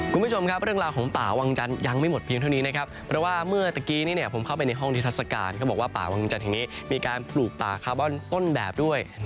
คุณผู้ชมครับเรื่องราวของป่าวังจันทร์ยังไม่หมดเพียงเท่านี้นะครับเพราะว่าเมื่อตะกี้ผมเข้าไปในห้องนิทัศกาลเขาบอกว่าป่าวังจันทร์แห่งนี้มีการปลูกป่าคาร์บอนต้นแบบด้วย